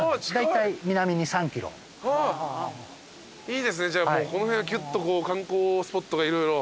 いいですねじゃあこの辺はキュッと観光スポットが色々。